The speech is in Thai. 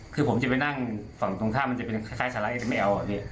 คือผมจะไปนั่งฝั่งตรงข้ามมันจะเป็นคล้ายสไลด์ไม่เอาอะพี่